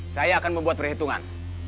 saya akan membuat perhitungan